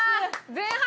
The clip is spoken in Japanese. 前半